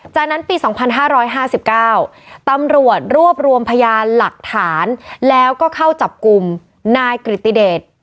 จากนั้นปี๒๕๕๙ตำรวจรวบรวมพยานหลักฐานแล้วก็เข้าจับกลุ่มนายกริติเดช